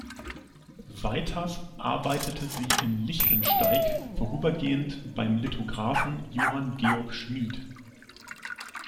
Weiters arbeitete sie in Lichtensteig vorübergehend beim Lithographen Johan Georg Schmied.